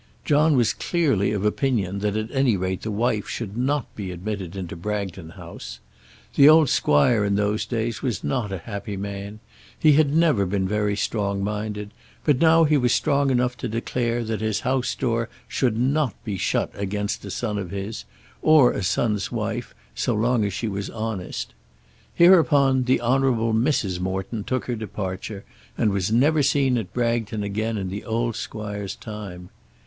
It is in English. John was clearly of opinion that at any rate the wife should not be admitted into Bragton House. The old squire in those days was not a happy man; he had never been very strong minded, but now he was strong enough to declare that his house door should not be shut against a son of his, or a son's wife, as long as she was honest. Hereupon the Honourable Mrs. Morton took her departure, and was never seen at Bragton again in the old squire's time.